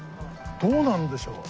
どうなんでしょう。